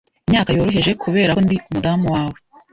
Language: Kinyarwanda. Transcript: imyaka yoroheje 'Kubera ko ndi umudamu wawe